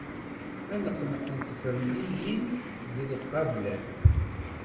Aneqneq n tefremliyin d lqablat.